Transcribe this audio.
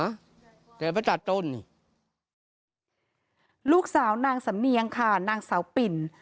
เดี๋ยวไปตัดต้นนี่ลูกสาวนางสำเนียงค่ะนางสาวปิ่น